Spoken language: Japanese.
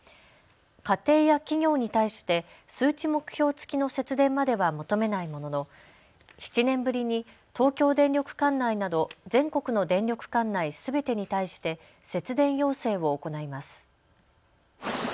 家庭や企業に対して数値目標付きの節電までは求めないものの７年ぶりに東京電力管内など全国の電力管内すべてに対して節電要請を行います。